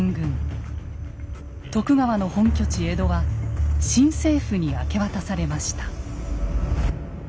徳川の本拠地・江戸は新政府に明け渡されました。